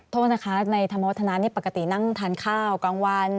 โทษนะคะในธรรมวัฒนานี่ปกตินั่งทานข้าวกลางวัน